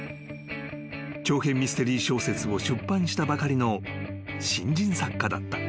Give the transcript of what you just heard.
［長編ミステリー小説を出版したばかりの新人作家だった。